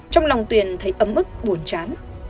trong lòng tuyền thấy ấm ức buồn chán